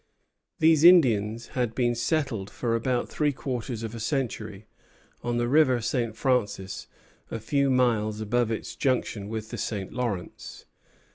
These Indians had been settled for about three quarters of a century on the River St. Francis, a few miles above its junction with the St. Lawrence.